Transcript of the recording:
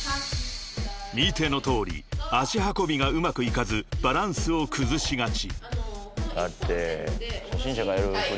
［見てのとおり脚運びがうまくいかずバランスを崩しがち］